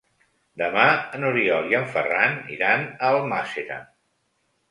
Demà n'Oriol i en Ferran iran a Almàssera.